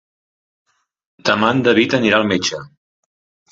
Demà en David anirà al metge.